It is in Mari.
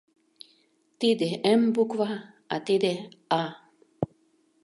— Тиде «М» буква, а тиде «А».